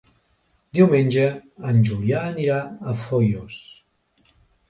Diumenge en Julià anirà a Foios.